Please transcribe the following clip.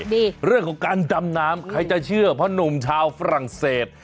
ดีเรื่องของการดำน้ำใครจะเชื่อเพราะหนุ่มชาวฝรั่งเศส